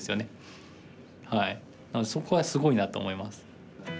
なのでそこはすごいなと思います。